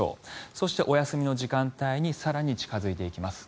そして、お休みの時間帯に更に近付いていきます。